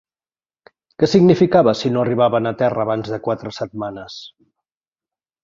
Què significava si no arribaven a terra abans de quatre setmanes?